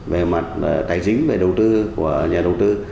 về mặt tài chính về đầu tư của nhà đầu tư